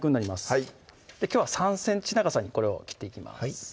はいきょうは３ｃｍ長さにこれを切っていきます